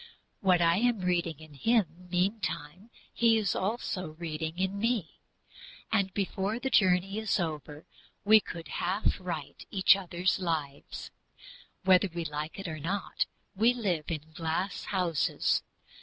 What I am reading in him meantime he also is reading in me; and before the journey is over we could half write each other's lives. Whether we like it or not, we live in glass houses.